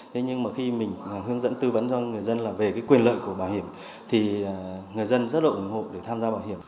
thế nhưng mà khi mình hướng dẫn tư vấn cho người dân là về cái quyền lợi của bảo hiểm thì người dân rất là ủng hộ để tham gia bảo hiểm